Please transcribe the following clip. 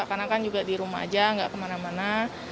karena kan juga di rumah aja nggak kemana mana